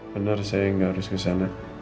bener saya gak harus kesana